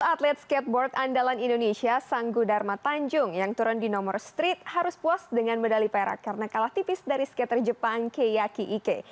dua puluh atlet skateboard andalan indonesia sanggu dharma tanjung yang turun di nomor street harus puas dengan medali perak karena kalah tipis dari skater jepang keiaki ike